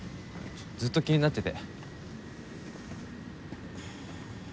ずっと気になってて。